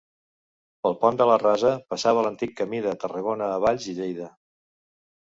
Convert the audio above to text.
Pel pont de la Rasa passava l'antic camí de Tarragona a Valls i Lleida.